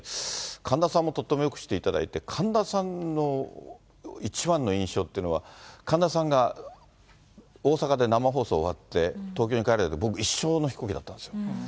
神田さんもとってもよくしていただいて、神田さんの一番の印象っていうのは、神田さんが大阪で生放送終わって、東京に帰られるとき僕、一緒の飛行機だったんですよ。